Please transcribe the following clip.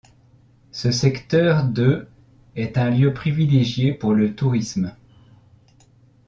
Ce secteur de est un lieu privilégié pour le tourisme.